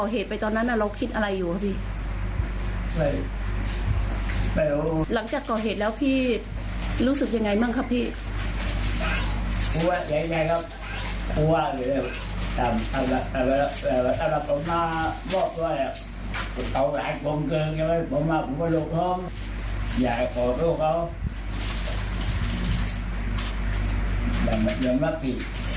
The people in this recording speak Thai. หลังจากก่อเหตุแล้วพี่รู้สึกยังไงบ้างครับพี่